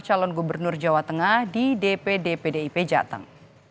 calon gubernur jawa tengah di dpd pdip jateng